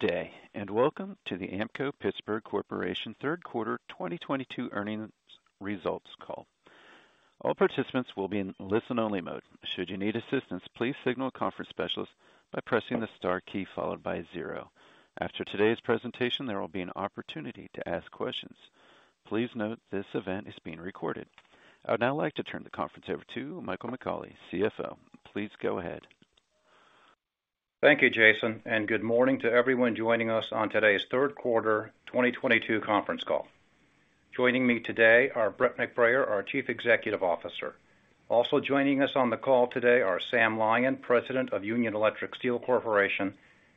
Good day, and welcome to the Ampco-Pittsburgh Corporation third quarter 2022 earnings results call. All participants will be in listen-only mode. Should you need assistance, please signal a conference specialist by pressing the star key followed by zero. After today's presentation, there will be an opportunity to ask questions. Please note this event is being recorded. I would now like to turn the conference over to Michael McAuley, CFO. Please go ahead. Thank you, Jason, and good morning to everyone joining us on today's third quarter 2022 conference call. Joining me today are Brett McBrayer, our Chief Executive Officer. Also joining us on the call today are Sam Lyon, President of Union Electric Steel Corporation,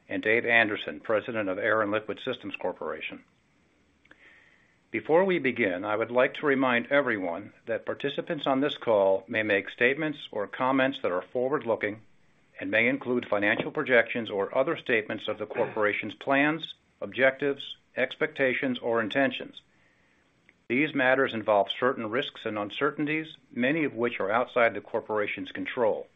and Dave Anderson, President of Air & Liquid Systems Corporation. Before we begin, I would like to remind everyone that participants on this call may make statements or comments that are forward-looking and may include financial projections or other statements of the corporation's plans, objectives, expectations, or intentions. These matters involve certain risks and uncertainties, many of which are outside the corporation's control.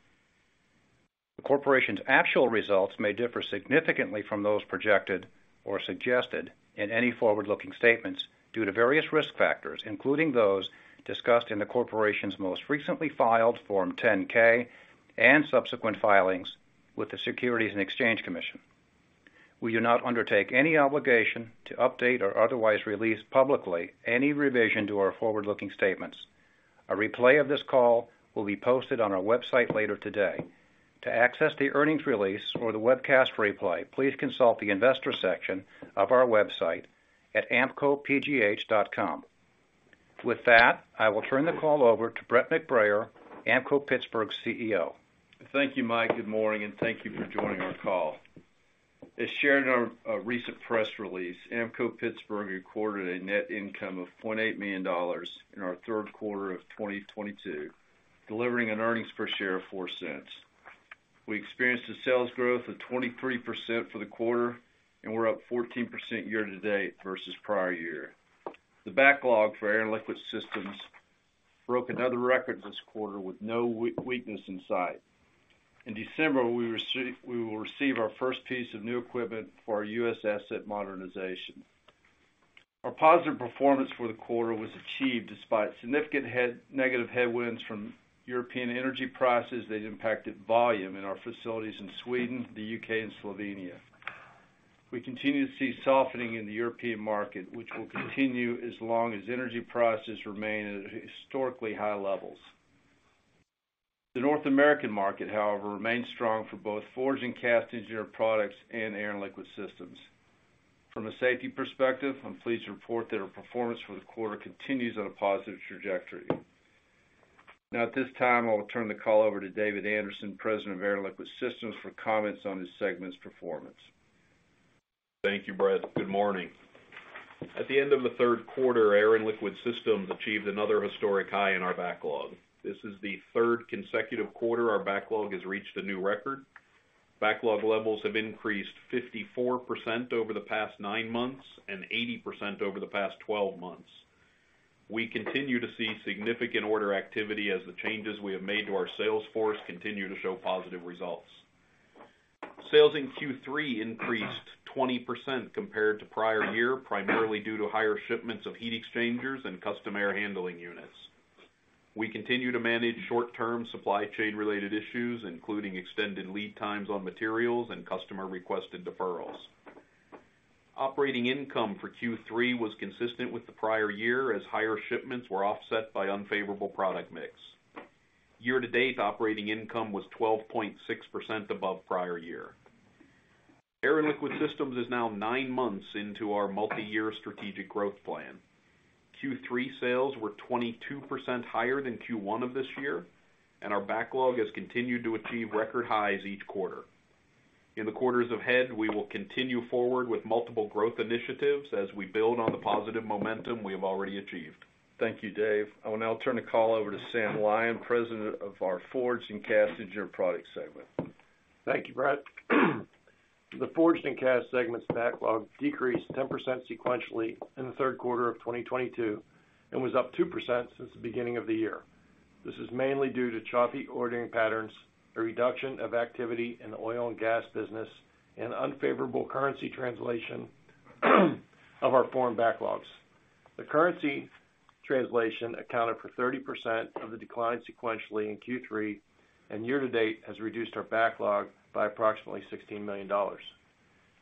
The corporation's actual results may differ significantly from those projected or suggested in any forward-looking statements due to various risk factors, including those discussed in the corporation's most recently filed Form 10-K and subsequent filings with the Securities and Exchange Commission. We do not undertake any obligation to update or otherwise release publicly any revision to our forward-looking statements. A replay of this call will be posted on our website later today. To access the earnings release or the webcast replay, please consult the investor section of our website at ampcopgh.com. With that, I will turn the call over to Brett McBrayer, Ampco-Pittsburgh's CEO. Thank you, Mike. Good morning, and thank you for joining our call. As shared in our recent press release, Ampco-Pittsburgh recorded a net income of $0.8 million in our third quarter of 2022, delivering an earnings per share of $0.04. We experienced a sales growth of 23% for the quarter, and we're up 14% year-to-date versus prior year. The backlog for Air & Liquid Systems broke another record this quarter with no weakness in sight. In December, we will receive our first piece of new equipment for our U.S. asset modernization. Our positive performance for the quarter was achieved despite significant negative headwinds from European energy prices that impacted volume in our facilities in Sweden, the U.K., and Slovenia. We continue to see softening in the European market, which will continue as long as energy prices remain at historically high levels. The North American market, however, remains strong for both forged and cast engineered products and Air & Liquid Systems. From a safety perspective, I'm pleased to report that our performance for the quarter continues on a positive trajectory. Now at this time, I will turn the call over to Dave Anderson, President of Air & Liquid Systems, for comments on his segment's performance. Thank you, Brett. Good morning. At the end of the third quarter, Air & Liquid Systems achieved another historic high in our backlog. This is the third consecutive quarter our backlog has reached a new record. Backlog levels have increased 54% over the past nine months and 80% over the past 12 months. We continue to see significant order activity as the changes we have made to our sales force continue to show positive results. Sales in Q3 increased 20% compared to prior year, primarily due to higher shipments of heat exchangers and custom air handling units. We continue to manage short-term supply chain related issues, including extended lead times on materials and customer-requested deferrals. Operating income for Q3 was consistent with the prior year as higher shipments were offset by unfavorable product mix. Year-to-date, operating income was 12.6% above prior year. Air & Liquid Systems is now nine months into our multi-year strategic growth plan. Q3 sales were 22% higher than Q1 of this year, and our backlog has continued to achieve record highs each quarter. In the quarters ahead, we will continue forward with multiple growth initiatives as we build on the positive momentum we have already achieved. Thank you, Dave. I will now turn the call over to Sam Lyon, President of our Forged and Cast Engineered Products segment. Thank you, Brett. The Forged and Cast segment's backlog decreased 10% sequentially in the third quarter of 2022 and was up 2% since the beginning of the year. This is mainly due to choppy ordering patterns, a reduction of activity in the oil and gas business, and unfavorable currency translation of our foreign backlogs. The currency translation accounted for 30% of the decline sequentially in Q3, and year-to-date has reduced our backlog by approximately $16 million.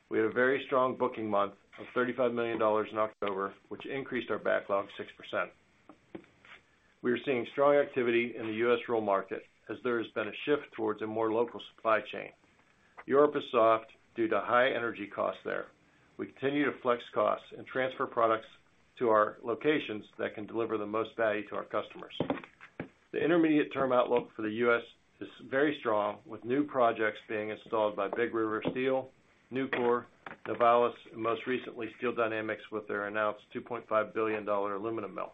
We had a very strong booking month of $35 million in October, which increased our backlog 6%. We are seeing strong activity in the U.S. roll market as there has been a shift towards a more local supply chain. Europe is soft due to high energy costs there. We continue to flex costs and transfer products to our locations that can deliver the most value to our customers. The intermediate term outlook for the U.S. is very strong, with new projects being installed by Big River Steel, Nucor, Novelis, and most recently, Steel Dynamics with their announced $2.5 billion aluminum mill.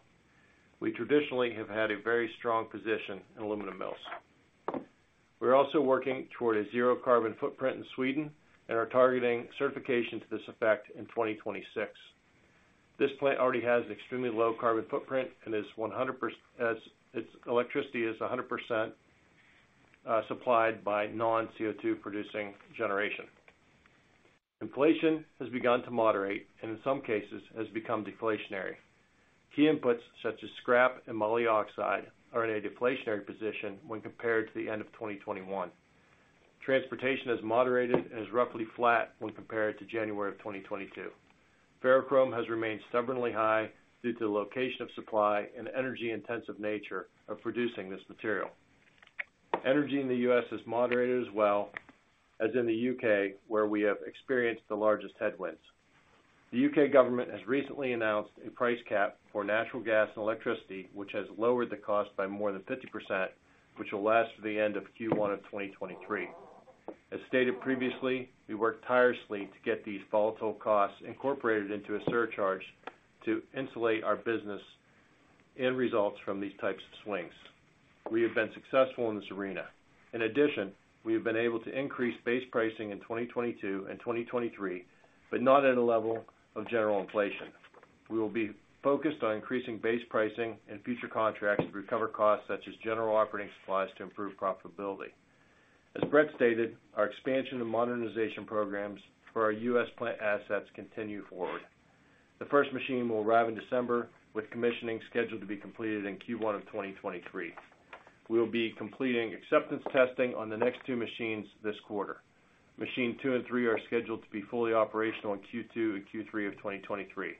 We traditionally have had a very strong position in aluminum mills. We're also working toward a zero carbon footprint in Sweden and are targeting certification to this effect in 2026. This plant already has an extremely low carbon footprint and is 100%. Its electricity is 100% supplied by non-CO2 producing generation. Inflation has begun to moderate, and in some cases has become deflationary. Key inputs such as scrap and moly oxide are in a deflationary position when compared to the end of 2021. Transportation has moderated and is roughly flat when compared to January 2022. Ferrochrome has remained stubbornly high due to the location of supply and energy-intensive nature of producing this material. Energy in the U.S. has moderated as well as in the U.K., where we have experienced the largest headwinds. The U.K. government has recently announced a price cap for natural gas and electricity, which has lowered the cost by more than 50%, which will last to the end of Q1 2023. As stated previously, we worked tirelessly to get these volatile costs incorporated into a surcharge to insulate our business end results from these types of swings. We have been successful in this arena. In addition, we have been able to increase base pricing in 2022 and 2023, but not at a level of general inflation. We will be focused on increasing base pricing in future contracts to recover costs such as general operating supplies to improve profitability. As Brett stated, our expansion and modernization programs for our U.S. plant assets continue forward. The first machine will arrive in December with commissioning scheduled to be completed in Q1 of 2023. We'll be completing acceptance testing on the next two machines this quarter. Machine two and three are scheduled to be fully operational in Q2 and Q3 of 2023.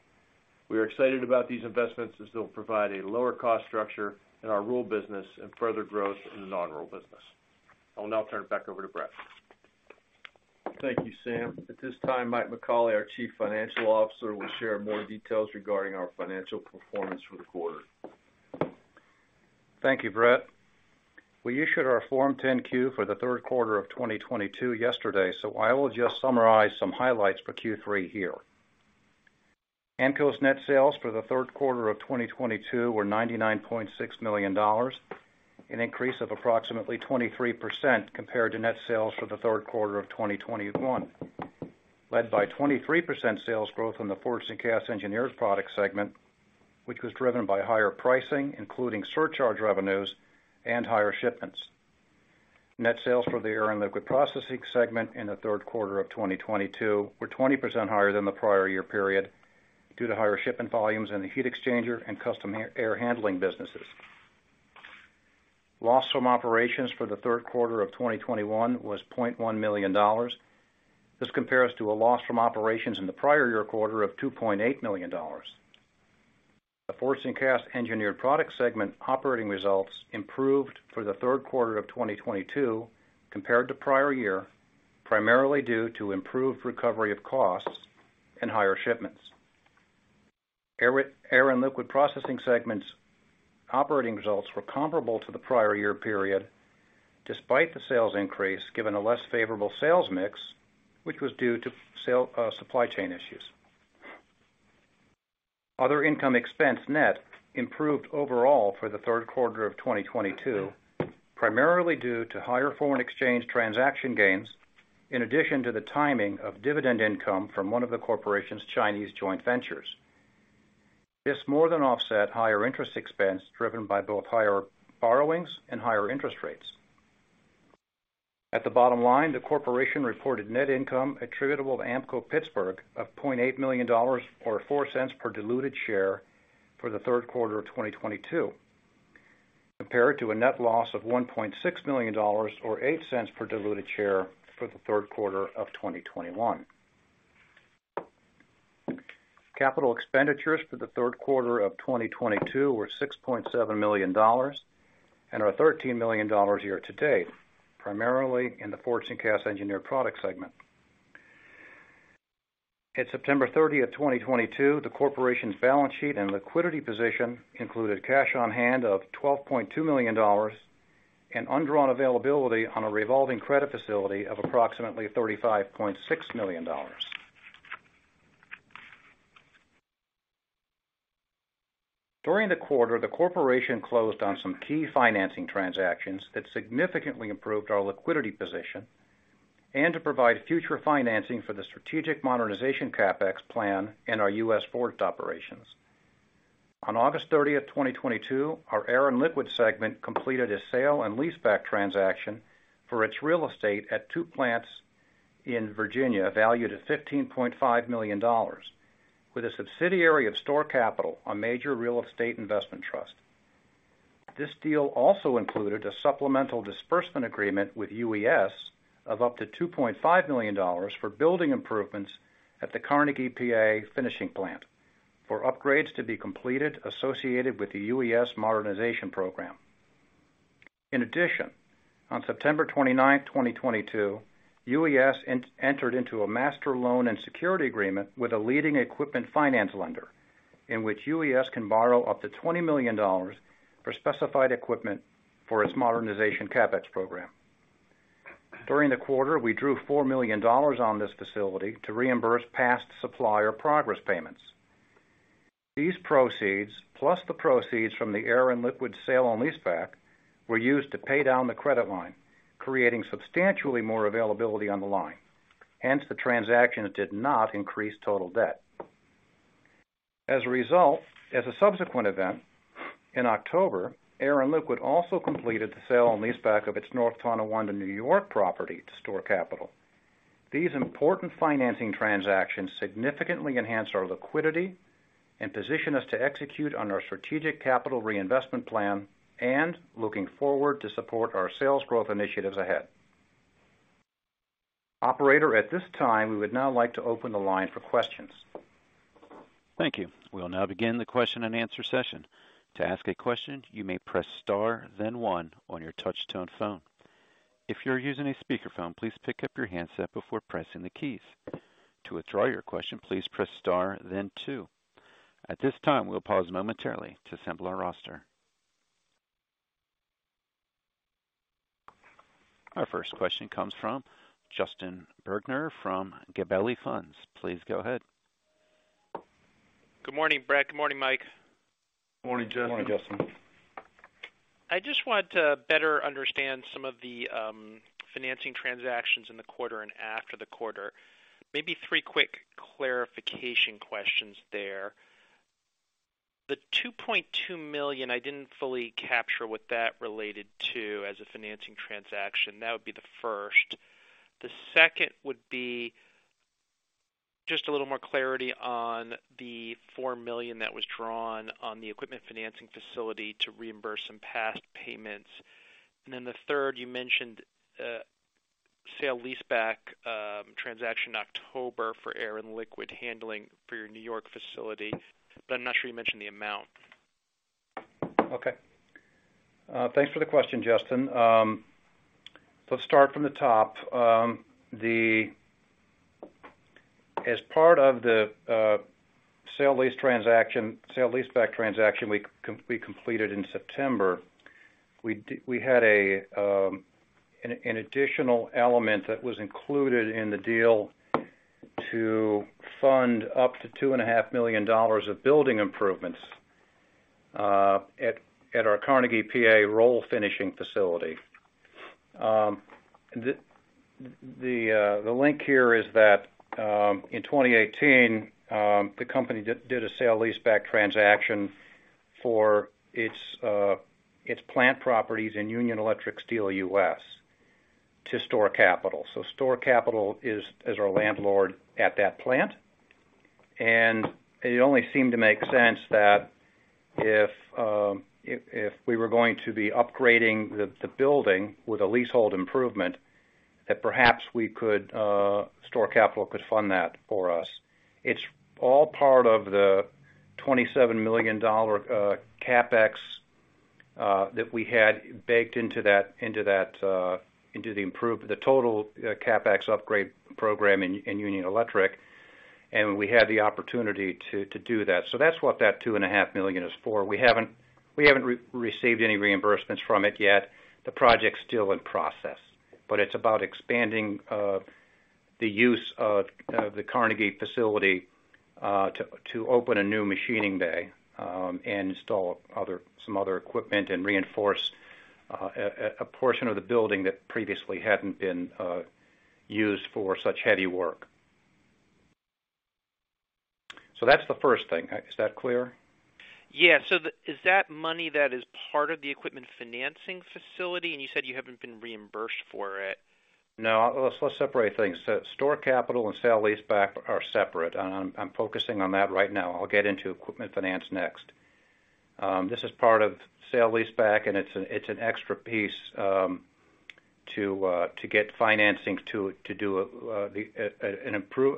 We are excited about these investments as they'll provide a lower cost structure in our roll business and further growth in the non-roll business. I will now turn it back over to Brett. Thank you, Sam. At this time, Mike McAuley, our Chief Financial Officer, will share more details regarding our financial performance for the quarter. Thank you, Brett. We issued our Form 10-Q for the third quarter of 2022 yesterday, so I will just summarize some highlights for Q3 here. Ampco's net sales for the third quarter of 2022 were $99.6 million, an increase of approximately 23% compared to net sales for the third quarter of 2021. Led by 23% sales growth in the Forged and Cast Engineered Products segment, which was driven by higher pricing, including surcharge revenues and higher shipments. Net sales for the Air & Liquid Processing segment in the third quarter of 2022 were 20% higher than the prior year period due to higher shipment volumes in the heat exchanger and custom air handling businesses. Loss from operations for the third quarter of 2021 was $0.1 million. This compares to a loss from operations in the prior year quarter of $2.8 million. The Forged and Cast Engineered Products segment operating results improved for the third quarter of 2022 compared to prior year, primarily due to improved recovery of costs and higher shipments. Air & Liquid Processing segment's operating results were comparable to the prior year period despite the sales increase given a less favorable sales mix, which was due to supply chain issues. Other income expense net improved overall for the third quarter of 2022, primarily due to higher foreign exchange transaction gains, in addition to the timing of dividend income from one of the corporation's Chinese joint ventures. This more than offset higher interest expense driven by both higher borrowings and higher interest rates. At the bottom line, the corporation reported net income attributable to Ampco-Pittsburgh of $0.8 million or 4 cents per diluted share for the third quarter of 2022, compared to a net loss of $1.6 million or 8 cents per diluted share for the third quarter of 2021. Capital expenditures for the third quarter of 2022 were $6.7 million and are $13 million year-to-date, primarily in the Forged and Cast Engineered Products segment. At September 30th, 2022, the corporation's balance sheet and liquidity position included cash on hand of $12.2 million and undrawn availability on a revolving credit facility of approximately $35.6 million. During the quarter, the corporation closed on some key financing transactions that significantly improved our liquidity position and to provide future financing for the strategic modernization CapEx plan in our U.S. forged operations. On August 30th, 2022, our Air & Liquid segment completed a sale and leaseback transaction for its real estate at two plants in Virginia valued at $15.5 million with a subsidiary of STORE Capital, a major real estate investment trust. This deal also included a supplemental disbursement agreement with UES of up to $2.5 million for building improvements at the Carnegie, PA finishing plant for upgrades to be completed associated with the UES modernization program. In addition, on September 29th, 2022, UES entered into a master loan and security agreement with a leading equipment finance lender, in which UES can borrow up to $20 million for specified equipment for its modernization CapEx program. During the quarter, we drew $4 million on this facility to reimburse past supplier progress payments. These proceeds, plus the proceeds from the Air & Liquid sale on leaseback, were used to pay down the credit line, creating substantially more availability on the line. Hence, the transaction did not increase total debt. As a result, as a subsequent event, in October, Air & Liquid also completed the sale and leaseback of its North Tonawanda, New York property to STORE Capital. These important financing transactions significantly enhance our liquidity and position us to execute on our strategic capital reinvestment plan and looking forward to support our sales growth initiatives ahead. Operator, at this time, we would now like to open the line for questions. Thank you. We'll now begin the question-and-answer session. To ask a question, you may press star then one on your touch-tone phone. If you're using a speakerphone, please pick up your handset before pressing the keys. To withdraw your question, please press star then two. At this time, we'll pause momentarily to assemble our roster. Our first question comes from Justin Bergner from Gabelli Funds. Please go ahead. Good morning, Brett. Good morning, Mike. Morning. Morning, Justin. I just want to better understand some of the financing transactions in the quarter and after the quarter. Maybe three quick clarification questions there. The $2.2 million, I didn't fully capture what that related to as a financing transaction. That would be the first. The second would be just a little more clarity on the $4 million that was drawn on the equipment financing facility to reimburse some past payments. The third, you mentioned sale-leaseback transaction in October for Air & Liquid Systems for your New York facility, but I'm not sure you mentioned the amount. Okay. Thanks for the question, Justin. Let's start from the top. As part of the sale leaseback transaction we completed in September, we had an additional element that was included in the deal to fund up to $2.5 million of building improvements at our Carnegie, PA roll finishing facility. The link here is that in 2018 the company did a sale leaseback transaction for its plant properties in Union Electric Steel U.S. to STORE Capital. STORE Capital is our landlord at that plant. It only seemed to make sense that if we were going to be upgrading the building with a leasehold improvement, that perhaps STORE Capital could fund that for us. It's all part of the $27 million CapEx that we had baked into that, into the total CapEx upgrade program in Union Electric, and we had the opportunity to do that. That's what that $2.5 million is for. We haven't received any reimbursements from it yet. The project's still in process. It's about expanding the use of the Carnegie facility to open a new machining bay, and install some other equipment and reinforce a portion of the building that previously hadn't been used for such heavy work. That's the first thing. Is that clear? Is that money that is part of the equipment financing facility? You said you haven't been reimbursed for it. No, let's separate things. STORE Capital and sale-leaseback are separate. I'm focusing on that right now. I'll get into equipment finance next. This is part of sale-leaseback, and it's an extra piece to get financing to do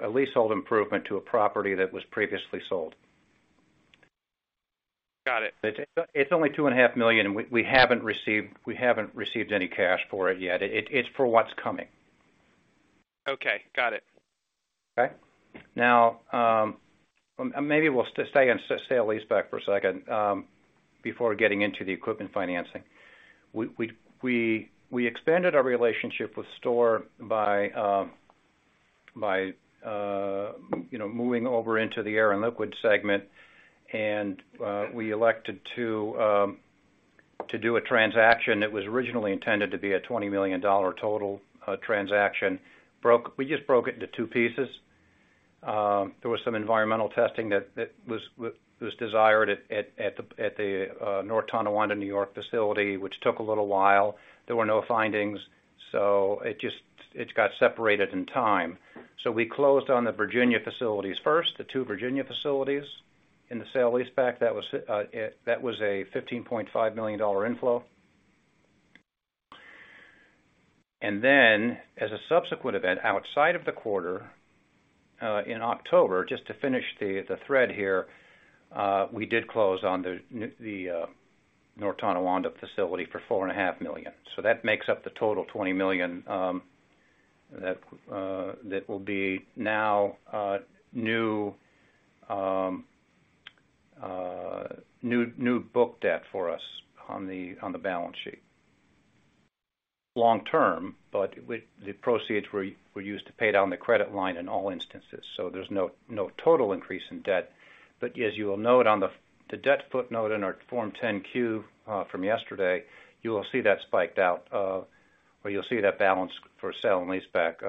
a leasehold improvement to a property that was previously sold. Got it. It's only $2.5 million, and we haven't received any cash for it yet. It's for what's coming. Okay, got it. Now, maybe we'll stay on sale-leaseback for a second, before getting into the equipment financing. We expanded our relationship with STORE by, you know, moving over into the Air & Liquid segment, and we elected to do a transaction that was originally intended to be a $20 million total transaction. We just broke it into two pieces. There was some environmental testing that was desired at the North Tonawanda, New York facility, which took a little while. There were no findings, so it just got separated in time. We closed on the Virginia facilities first, the two Virginia facilities in the sale-leaseback. That was a $15.5 million inflow. Then as a subsequent event outside of the quarter, in October, just to finish the thread here, we did close on the North Tonawanda facility for $4.5 million. That makes up the total $20 million that will be now new book debt for us on the balance sheet. Long-term, but with the proceeds were used to pay down the credit line in all instances. There's no total increase in debt. As you will note on the debt footnote in our Form 10-Q from yesterday, you will see that spiked out where you'll see that balance for sale and lease back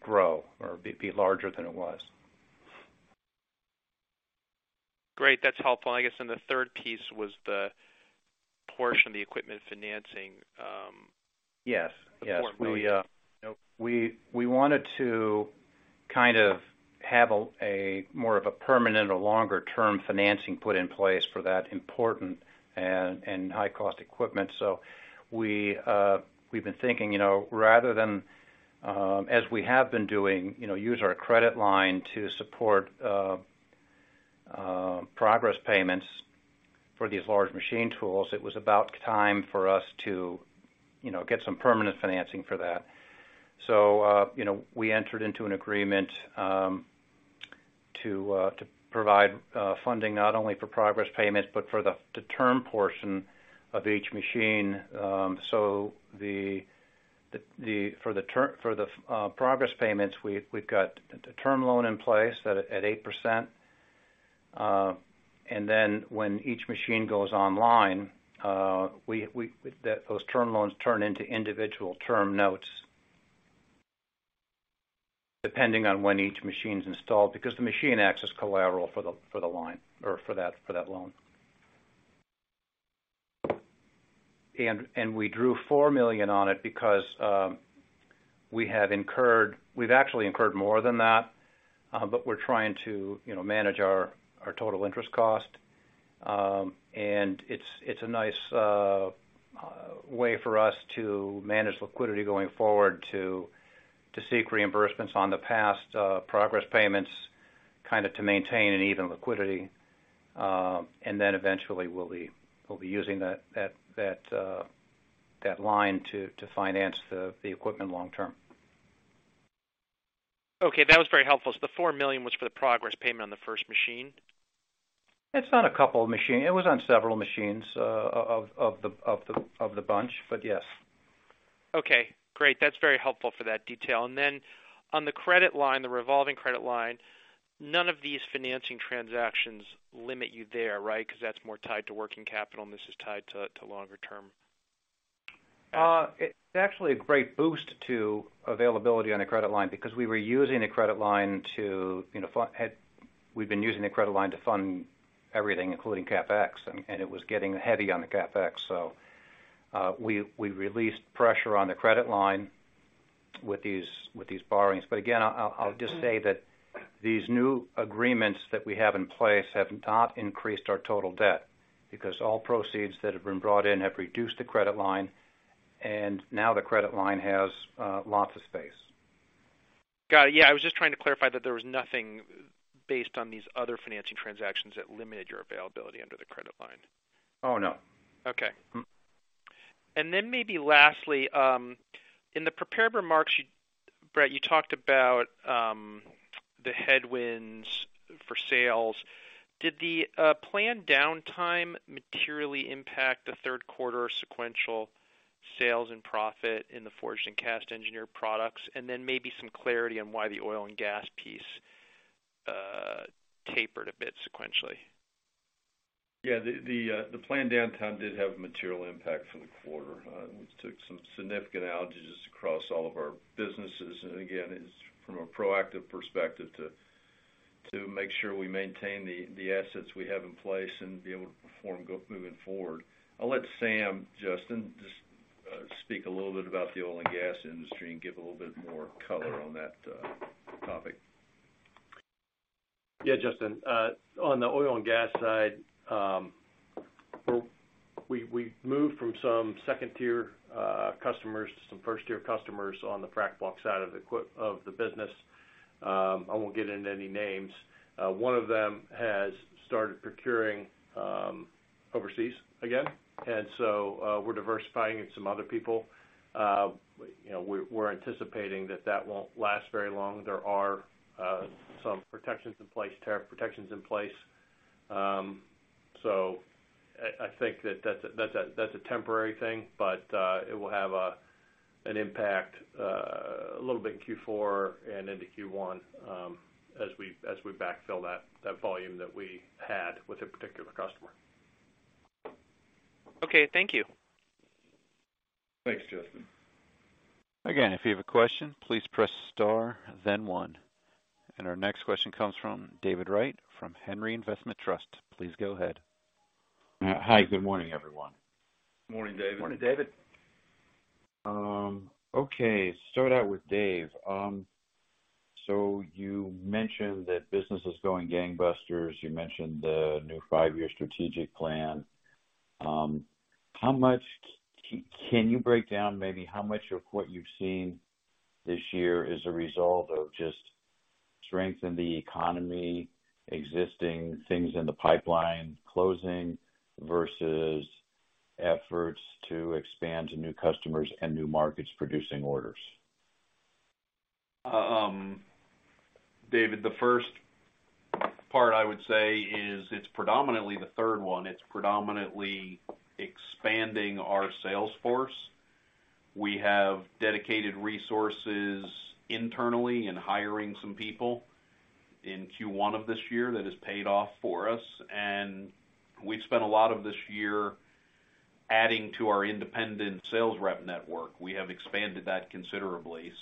grow or be larger than it was. Great. That's helpful. I guess the third piece was the portion of the equipment financing. Yes. Yes. The $4 million. We wanted to kind of have a more of a permanent or longer-term financing put in place for that important and high-cost equipment. We've been thinking, you know, rather than as we have been doing, you know, use our credit line to support progress payments for these large machine tools. It was about time for us to, you know, get some permanent financing for that. You know, we entered into an agreement to provide funding not only for progress payments but for the term. For the progress payments, we've got a term loan in place at 8%. When each machine goes online, those term loans turn into individual term notes depending on when each machine's installed, because the machine acts as collateral for the line or for that loan. We drew $4 million on it because we have incurred, we've actually incurred more than that, but we're trying to, you know, manage our total interest cost. It's a nice way for us to manage liquidity going forward to seek reimbursements on the past progress payments, kind of to maintain an even liquidity. Eventually we'll be using that line to finance the equipment long term. Okay. That was very helpful. The $4 million was for the progress payment on the first machine? It's on a couple of machine. It was on several machines, of the bunch. Yes. Okay, great. That's very helpful for that detail. On the credit line, the revolving credit line, none of these financing transactions limit you there, right? 'Cause that's more tied to working capital, and this is tied to longer term. It's actually a great boost to availability on the credit line because we've been using the credit line to fund everything, including CapEx, and it was getting heavy on the CapEx. We released pressure on the credit line with these borrowings. Again, I'll just say that these new agreements that we have in place have not increased our total debt because all proceeds that have been brought in have reduced the credit line, and now the credit line has lots of space. Got it. Yeah. I was just trying to clarify that there was nothing based on these other financing transactions that limited your availability under the credit line. Oh, no. Okay. Maybe lastly, in the prepared remarks, Brett, you talked about the headwinds for sales. Did the planned downtime materially impact the third quarter sequential sales and profit in the Forged and Cast Engineered Products? Maybe some clarity on why the oil and gas piece tapered a bit sequentially. Yeah. The planned downtime did have a material impact for the quarter. It took some significant outages across all of our businesses. Again, it's from a proactive perspective to make sure we maintain the assets we have in place and be able to perform moving forward. I'll let Sam, Justin, just speak a little bit about the oil and gas industry and give a little bit more color on that topic. Yeah, Justin. On the oil and gas side, we moved from some second-tier customers to some first-tier customers on the frac block side of the business. I won't get into any names. One of them has started procuring overseas again. We're diversifying in some other people. You know, we're anticipating that that won't last very long. There are some protections in place, tariff protections in place. So I think that's a temporary thing, but it will have an impact a little bit in Q4 and into Q1, as we backfill that volume that we had with a particular customer. Okay. Thank you. Thanks, Justin. Again, if you have a question, please press star then one. Our next question comes from David Wright from Henry Investment Trust. Please go ahead. Hi. Good morning, everyone. Morning, David. Morning, David. Okay. Start out with Dave. So you mentioned that business is going gangbusters. You mentioned the new five-year strategic plan. Can you break down maybe how much of what you've seen this year is a result of just strength in the economy, existing things in the pipeline closing versus efforts to expand to new customers and new markets producing orders? David, the first part I would say is it's predominantly the third one. It's predominantly expanding our sales force. We have dedicated resources internally in hiring some people. In Q1 of this year that has paid off for us, and we've spent a lot of this year adding to our independent sales rep network. We have expanded that considerably.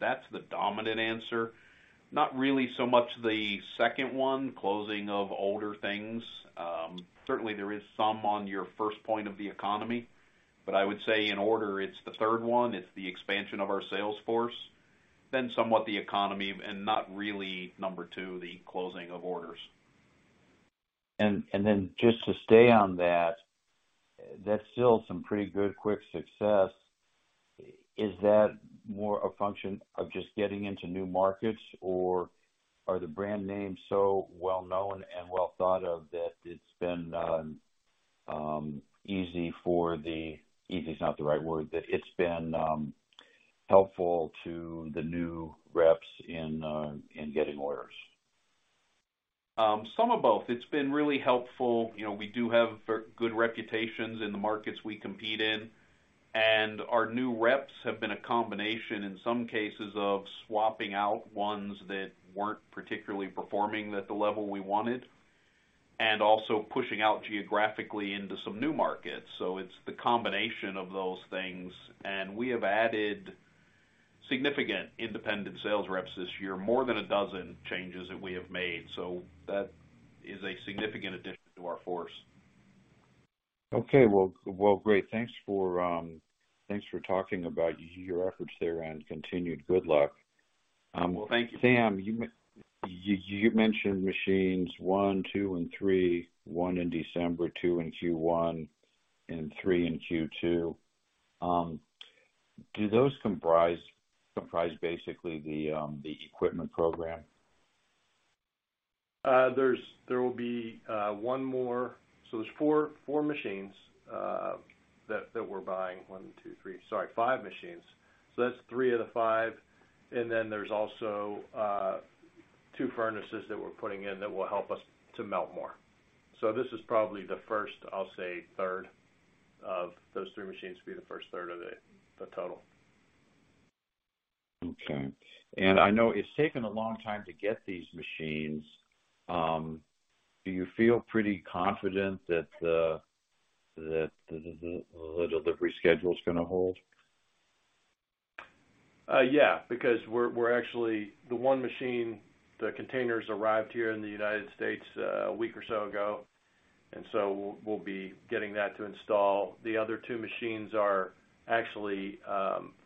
That's the dominant answer. Not really so much the second one, closing of older things. Certainly there is some on your first point of the economy, but I would say in order, it's the third one, it's the expansion of our sales force, then somewhat the economy, and not really number two, the closing of orders. Just to stay on that, that's still some pretty good quick success. Is that more a function of just getting into new markets, or are the brand names so well known and well thought of that it's been, easy is not the right word, helpful to the new reps in getting orders? Some of both. It's been really helpful. You know, we do have very good reputations in the markets we compete in, and our new reps have been a combination, in some cases, of swapping out ones that weren't particularly performing at the level we wanted, and also pushing out geographically into some new markets. It's the combination of those things. We have added significant independent sales reps this year, more than a dozen changes that we have made. That is a significant addition to our force. Okay. Well, great. Thanks for talking about your efforts there, and continued good luck. Well, thank you. Sam, you mentioned machines one, two, and three, one in December, two in Q1, and three in Q2. Do those comprise basically the equipment program? There will be one more. There's four machines that we're buying. One, two, three. Sorry, five machines. That's three of the five, and then there's also two furnaces that we're putting in that will help us to melt more. This is probably the first. I'll say third of those three machines will be the first third of the total. Okay. I know it's taken a long time to get these machines. Do you feel pretty confident that the delivery schedule's gonna hold? Yeah, because we're actually the one machine, the containers arrived here in the United States a week or so ago, and so we'll be getting that to install. The other two machines are actually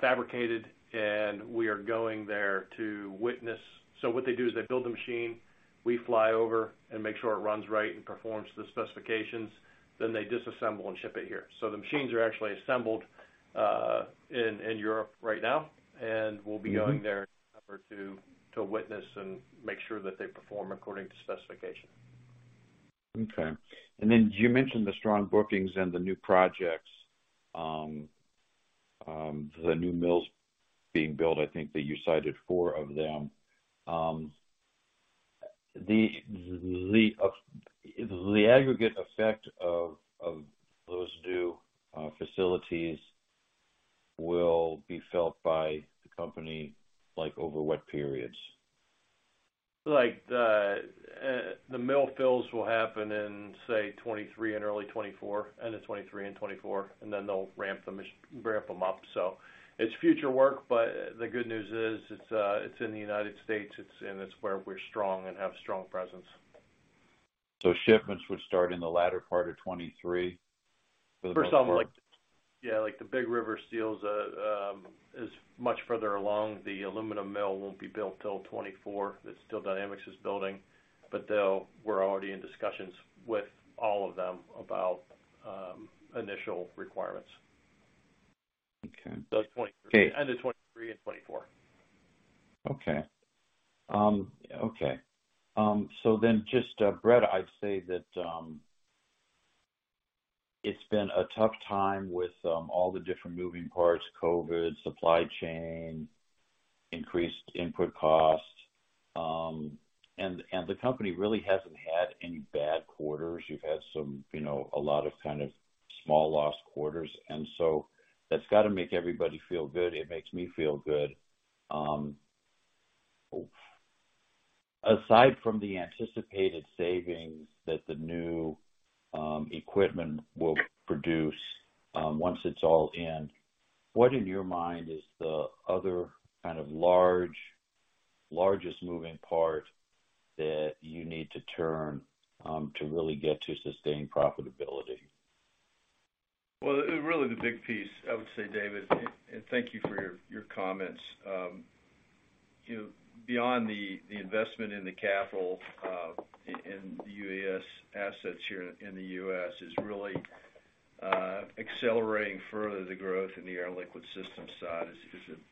fabricated, and we are going there to witness. What they do is they build the machine, we fly over and make sure it runs right and performs to specifications, then they disassemble and ship it here. The machines are actually assembled in Europe right now, and we'll be going there in December to witness and make sure that they perform according to specification. Okay. You mentioned the strong bookings and the new projects, the new mills being built, I think that you cited four of them. The aggregate effect of those new facilities will be felt by the company, like, over what periods? Like the mill rolls will happen in, say, 2023 and early 2024, end of 2023 and 2024, and then they'll ramp them up. It's future work, but the good news is it's in the United States, it's where we're strong and have strong presence. Shipments would start in the latter part of 2023 for the most part? For some, like the Big River Steel's is much further along. The aluminum mill won't be built till 2024. That Steel Dynamics is building. We're already in discussions with all of them about initial requirements. Okay. It's 2023. End of 2023 and 2024. Just, Brett, I'd say that it's been a tough time with all the different moving parts, COVID, supply chain, increased input costs. The company really hasn't had any bad quarters. You've had some, you know, a lot of kind of small loss quarters, and so that's gotta make everybody feel good. It makes me feel good. Aside from the anticipated savings that the new equipment will produce once it's all in, what in your mind is the other kind of largest moving part that you need to turn to really get to sustained profitability? Well, really the big piece, I would say, David, and thank you for your comments. You know, beyond the investment in the capital in the UES assets here in the U.S. is really accelerating further the growth in the Air & Liquid Systems side.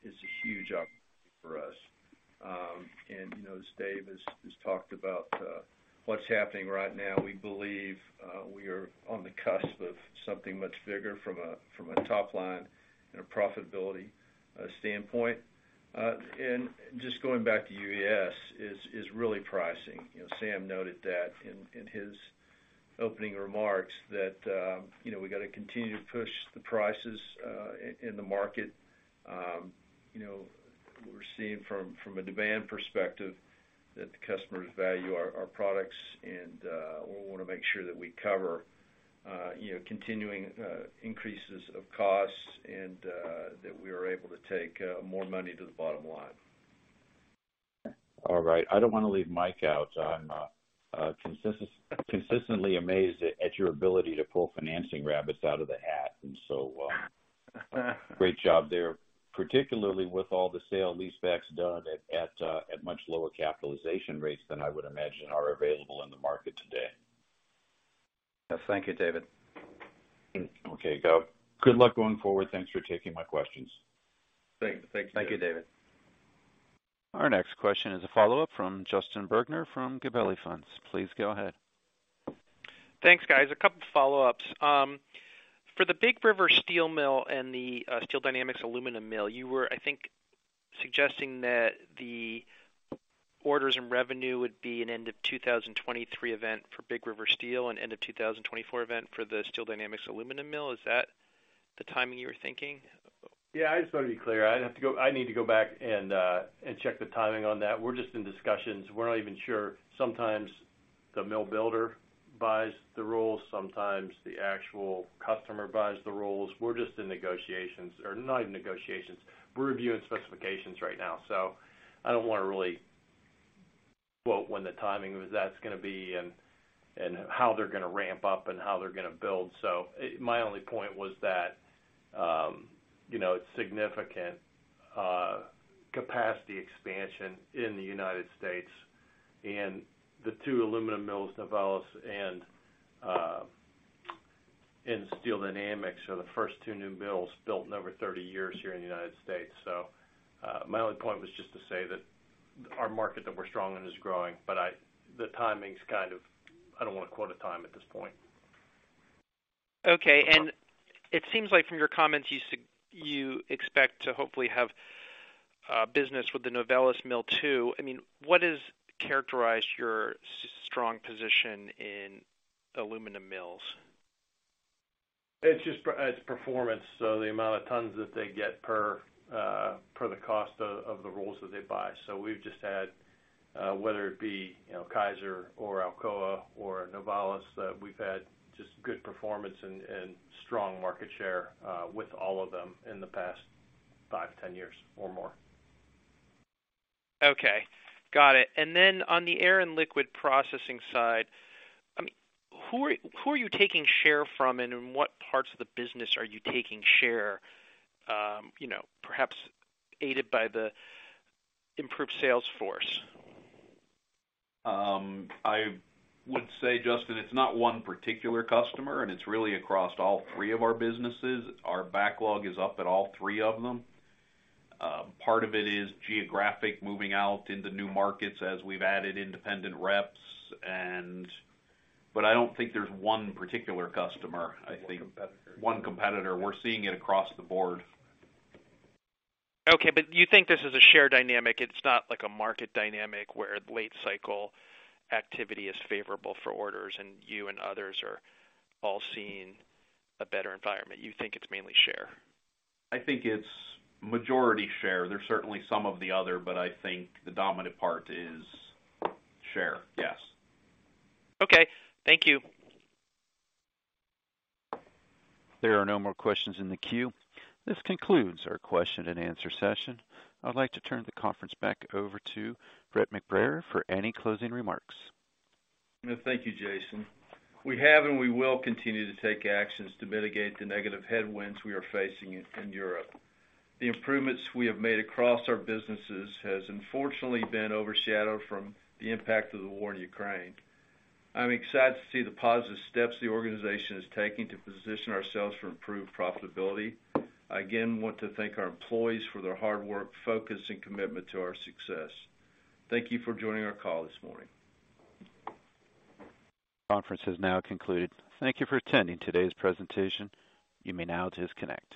It's a huge opportunity for us. You know, as Dave has talked about what's happening right now, we believe we are on the cusp of something much bigger from a top line and a profitability standpoint. Just going back to UES is really pricing. You know, Sam noted that in his opening remarks that you know we gotta continue to push the prices in the market. You know we're seeing from a demand perspective that the customers value our products and we wanna make sure that we cover you know continuing increases of costs and that we are able to take more money to the bottom line. All right. I don't wanna leave Mike out. I'm consistently amazed at your ability to pull financing rabbits out of the hat, and so, great job there. Particularly with all the sale-leasebacks done at much lower capitalization rates than I would imagine are available in the market today. Thank you, David. Okay. Good luck going forward. Thanks for taking my questions. Thank you. Thank you, David. Our next question is a follow-up from Justin Bergner from Gabelli Funds. Please go ahead. Thanks, guys. A couple follow-ups. For the Big River Steel mill and the Steel Dynamics aluminum mill, you were, I think, suggesting that the orders and revenue would be an end of 2023 event for Big River Steel and end of 2024 event for the Steel Dynamics aluminum mill. Is that the timing you were thinking? I just want to be clear. I need to go back and check the timing on that. We're just in discussions. We're not even sure. Sometimes the mill builder buys the rolls, sometimes the actual customer buys the rolls. We're just in negotiations or not even negotiations. We're reviewing specifications right now. I don't wanna really quote when the timing of that's gonna be and how they're gonna ramp up and how they're gonna build. My only point was that, you know, significant capacity expansion in the United States and the two aluminum mills, Novelis and Steel Dynamics are the first two new mills built in over 30 years here in the United States. My only point was just to say that our market that we're strong in is growing, but the timing's kind of. I don't wanna quote a time at this point. Okay. It seems like from your comments, you expect to hopefully have business with the Novelis mill too. I mean, what has characterized your strong position in aluminum mills? It's just performance. The amount of tons that they get per the cost of the rolls that they buy. We've just had whether it be, you know, Kaiser or Alcoa or Novelis, we've had just good performance and strong market share with all of them in the past five, 10 years or more. Okay. Got it. Then on the Air & Liquid Processing side, I mean, who are you taking share from, and in what parts of the business are you taking share, you know, perhaps aided by the improved sales force? I would say, Justin, it's not one particular customer, and it's really across all three of our businesses. Our backlog is up at all three of them. Part of it is geographic, moving out into new markets as we've added independent reps. I don't think there's one particular customer. I think. One competitor. One competitor. We're seeing it across the board. Okay, you think this is a share dynamic. It's not like a market dynamic where late cycle activity is favorable for orders and you and others are all seeing a better environment. You think it's mainly share? I think it's majority share. There's certainly some of the other, but I think the dominant part is share. Yes. Okay. Thank you. There are no more questions in the queue. This concludes our question-and-answer session. I'd like to turn the conference back over to Brett McBrayer for any closing remarks. Thank you, Jason. We have and we will continue to take actions to mitigate the negative headwinds we are facing in Europe. The improvements we have made across our businesses has unfortunately been overshadowed from the impact of the war in Ukraine. I'm excited to see the positive steps the organization is taking to position ourselves for improved profitability. I again want to thank our employees for their hard work, focus, and commitment to our success. Thank you for joining our call this morning. Conference has now concluded. Thank you for attending today's presentation. You may now disconnect.